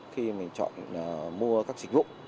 khi mình chọn mua các dịch vụ